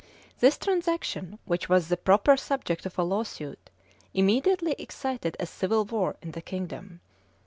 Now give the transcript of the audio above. [*] This transaction, which was the proper subject of a lawsuit, immediately excited a civil war in the kingdom.